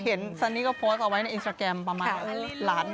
เห็นซันนิ๊กโพสต์เอาไว้ในอินสตราแกรมประมาณ